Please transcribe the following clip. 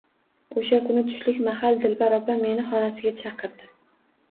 O`sha kuni tushlik mahal Dilbar opa meni xonasiga chaqirdi